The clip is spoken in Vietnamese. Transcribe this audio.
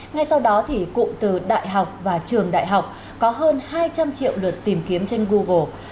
ngay sau đó thì cụm từ đại học và trường đại học có hơn hai trăm linh triệu lượt tìm kiếm trên google